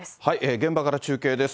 現場から中継です。